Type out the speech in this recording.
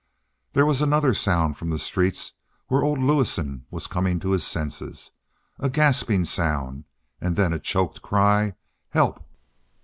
There was another sound from the street where old Lewison was coming to his senses a gasping, sound, and then a choked cry: "Help!"